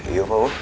iya pak wo